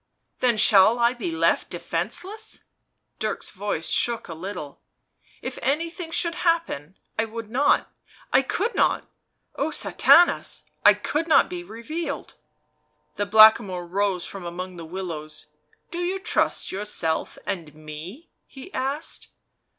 "Then shall I be left defenceless." Dirk's voice shook a little. " If anything should happen — I would not, I could not — oh, Sathanas !— I could not be revealed !" The Blackamoor rose from among the willows. " Do you trust yourself and me?" he asked.